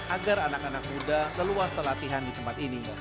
agar anak anak muda leluhas selatihan di tempat ini